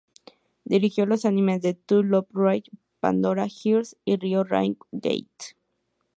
Dirigió los animes To Love Ru, Pandora Hearts y Rio Rainbow Gate!.